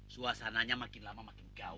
suasananya makin lama makin gaul ya pak